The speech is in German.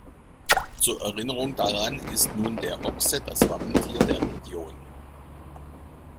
Zur Erinnerung daran ist nun der Ochse das Wappentier der Region.